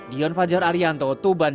dian fajar arianto tuban